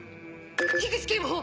口警部補！